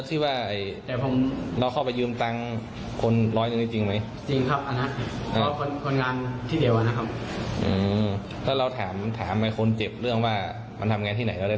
ผมว่าผมแค่ถามแต่ว่าผมขอโทษมันไป